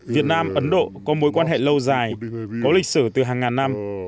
việt nam ấn độ có mối quan hệ lâu dài có lịch sử từ hàng ngàn năm